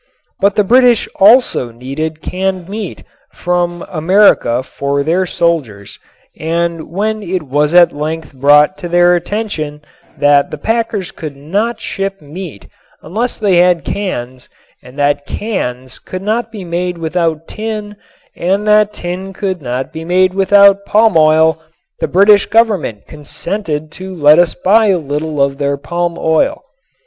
But the British also needed canned meat from America for their soldiers and when it was at length brought to their attention that the packers could not ship meat unless they had cans and that cans could not be made without tin and that tin could not be made without palm oil the British Government consented to let us buy a little of their palm oil.